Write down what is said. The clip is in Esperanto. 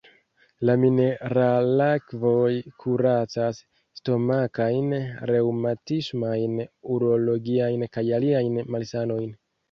La mineralakvoj kuracas stomakajn, reŭmatismajn, urologiajn kaj aliajn malsanojn.